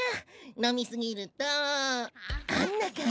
のみすぎるとあんなかんじ。